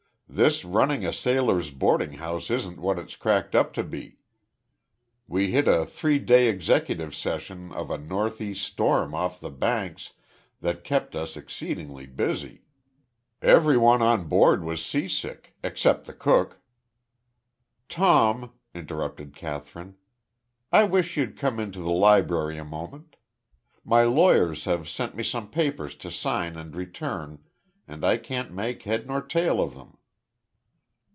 "This running a sailors' boarding house isn't what it's cracked up to be. We hit a three day executive session of a northeast storm off the Banks that kept us exceedingly busy. Everyone on board was seasick except the cook." "Tom," interrupted Kathryn, "I wish you'd come into the library a moment. My lawyers have sent me some papers to sign and return, and I can't make head nor tail of them."